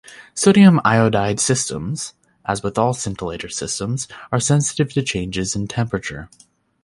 Sodium iodide systems, as with all scintillator systems, are sensitive to changes in temperature.